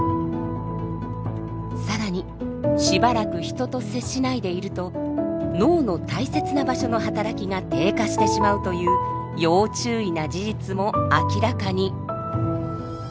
更にしばらく人と接しないでいると脳の大切な場所の働きが低下してしまうという要注意な事実も明らかに。